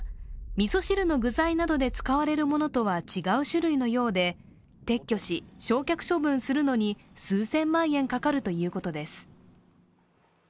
みそ汁の具材などで使われるものとは違う種類のようで撤去し、焼却処分するのに数千万円かかるということです。